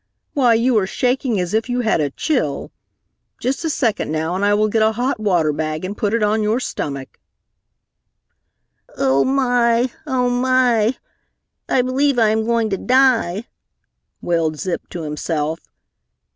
Why, you are shaking as if you had a chill! Just a second now, and I will get a hot water bag and put it on your stomach!" "Oh, my! Oh, my! I believe I am going to die," wailed Zip to himself.